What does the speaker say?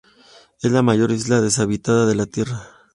Es la mayor isla deshabitada de la tierra.